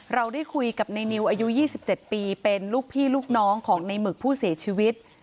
เราได้คุยกับในนิวอายุ๒๗ปีเป็นลูกพี่ลูกน้องของในหมึกผู้เสียชีวิต